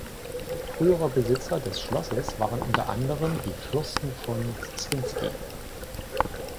Frühere Besitzer des Schlosses waren unter anderem die Fürsten von Zrinski.